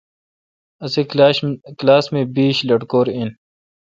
اسی کلاس مہ بیش لٹکور این۔